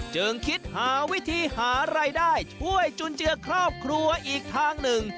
จึงคิดหาวิธีหารายได้ช่วยจุนเจือครอบครัวอีกทางหนึ่ง